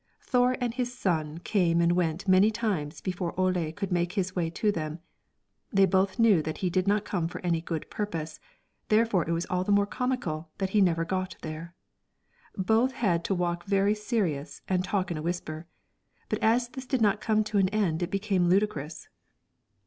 Thore and his son came and went many times before Ole could make his way to them; they both knew that he did not come for any good purpose, therefore it was all the more comical that he never got there. Both had to walk very serious, and talk in a whisper; but as this did not come to an end it became ludicrous.